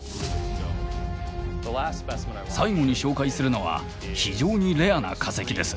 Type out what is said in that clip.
最後に紹介するのは非常にレアな化石です。